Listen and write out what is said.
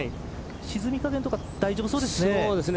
沈み方とか大丈夫そうですね。